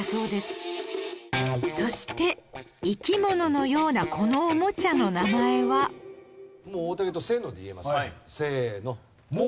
そして生き物のようなこのおもちゃの名前はせーの。